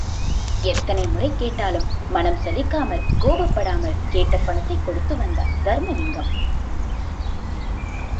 எத்தனை முறை கேட்டாலும் மனம் சலிக்காமல், கோபப்படாமல், கேட்ட பணத்தைக் கொடுத்து வந்தார் தருமலிங்கம்.